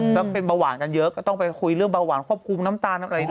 ก็เป็นเบาหวานกันเยอะก็ต้องไปคุยเรื่องเบาหวานควบคุมน้ำตาลน้ำอะไรด้วย